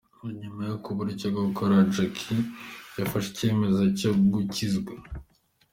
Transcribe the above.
Nyuma yo kubura icyo gukora, Jacky yafashe icyemezo cyo gukizwa.